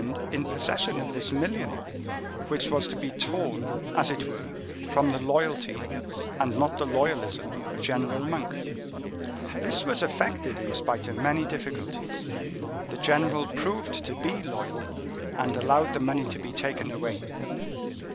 in possession of this million, which was to be torn, as it were, from the loyalty and not the loyalism of General Monk. This was effected in spite of many difficulties: the general proved to be loyal, and allowed the money to be taken away."